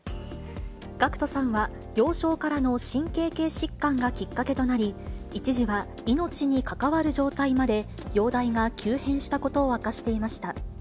ＧＡＣＫＴさんは、幼少からの神経系疾患がきっかけとなり、一時は命に関わる状態まで容体が急変したことを明かしていました。